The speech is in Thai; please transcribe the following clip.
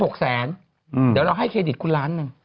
เดี๋ยวเราให้เครดิตคุณล้านหนึ่ง